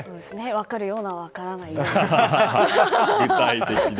分かるような分からないような。